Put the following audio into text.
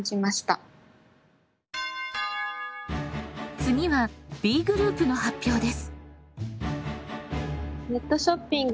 次はＢグループの発表です。